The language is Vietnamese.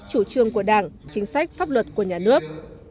chủ trương của đảng chính sách pháp luật của nhà nước